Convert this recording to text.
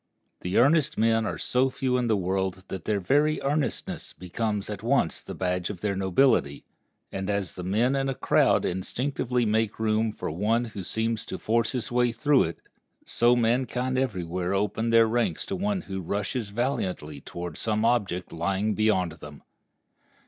The earnest men are so few in the world that their very earnestness becomes at once the badge of their nobility; and as the men in a crowd instinctively make room for one who seems to force his way through it, so mankind every where open their ranks to one who rushes valiantly toward some object lying beyond them.